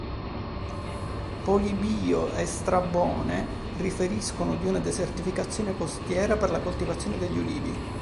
Polibio e Strabone riferiscono di una desertificazione costiera per la coltivazione degli ulivi.